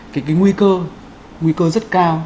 cái nguy cơ nguy cơ rất cao